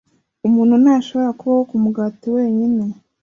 umuntu ntashobora kubaho ku mugati wenyine